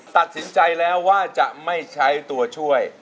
ตัดสินใจแล้วว่าจะไม่ใช้ตัวช่วย